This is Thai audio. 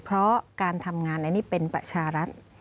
เพราะการทำงานอันนี้เป็นประชารัฐ